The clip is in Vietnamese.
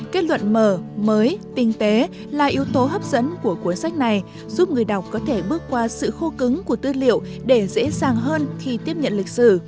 kết luận mở mới tinh tế là yếu tố hấp dẫn của cuốn sách này giúp người đọc có thể bước qua sự khô cứng của tư liệu để dễ dàng hơn khi tiếp nhận lịch sử